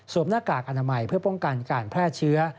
หน้ากากอนามัยเพื่อป้องกันการแพร่เชื้อ